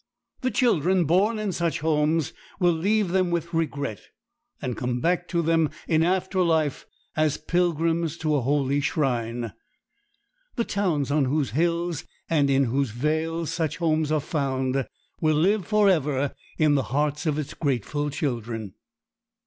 The children born in such homes will leave them with regret, and come back to them in after life as pilgrims to a holy shrine. The towns on whose hills and in whose vales such homes are found will live forever in the hearts of its grateful children.